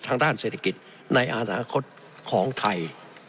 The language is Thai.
ทางด้านเศรษฐกิจในอนาคตของไทย